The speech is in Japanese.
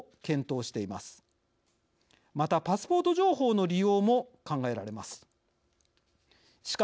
またパスポート情報の利用も考えられます。